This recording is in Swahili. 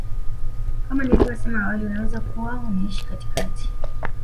kama nilivyosema awali unaweza kuwa unaishi katikati